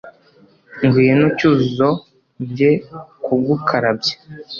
ngwino cyuzuzo njye kugukarabya